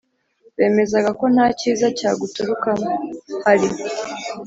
bemezaga ko nta cyiza cyagaturukamo. hari